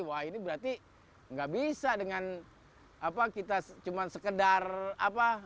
wah ini berarti nggak bisa dengan kita cuma sekedar apa